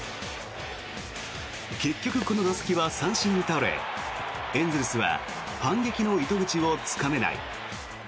結局、この打席は三振に倒れエンゼルスは反撃の糸口をつかめない。